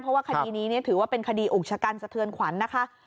เพราะว่าคดีนี้ถือว่าเป็นคดีอุกชะกันสะเทือนขวัญนะคะ